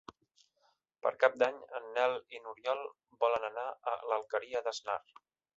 Per Cap d'Any en Nel i n'Oriol volen anar a l'Alqueria d'Asnar.